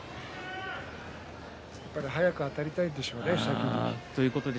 早くあたりたいんでしょうね。